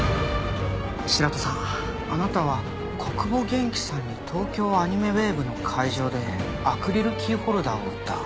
白土さんあなたは小久保元気さんに東京アニメウェーブの会場でアクリルキーホルダーを売った。